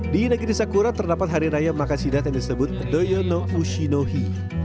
di negeri sakura terdapat hari raya makan sidap yang disebut doyou no ushi no hi